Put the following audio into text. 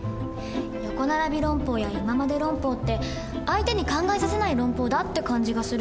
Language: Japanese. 「横ならび論法」や「いままで論法」って相手に考えさせない論法だって感じがする。